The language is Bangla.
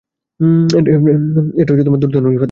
এটা দুর্দান্ত রিফাত দ্বি।